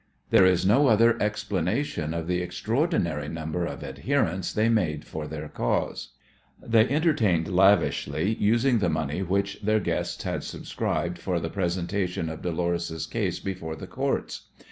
There is no other explanation of the extraordinary number of adherents they made for their cause. They entertained lavishly, using the money which their guests had subscribed for the presentation of Dolores' case before the Courts.